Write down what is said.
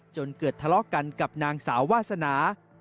จนเกิดทะเลาะกันกับนางสาววาสนา